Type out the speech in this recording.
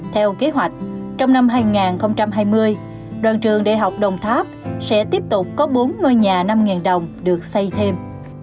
theo kế hoạch trong năm hai nghìn hai mươi đoàn trường đại học đồng tháp sẽ tiếp tục có bốn ngôi nhà năm đồng được xây thêm